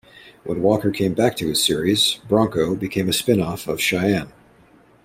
When Walker came back to his series, "Bronco" became a spin-off of "Cheyenne".